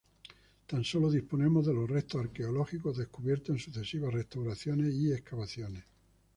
Tan solo disponemos de los restos arqueológicos descubiertos en sucesivas restauraciones y excavaciones.